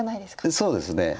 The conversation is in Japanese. そうですね。